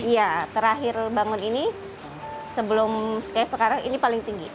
iya terakhir bangun ini sebelum sekarang ini paling tinggi